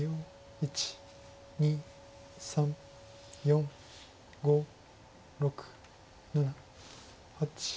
１２３４５６７８。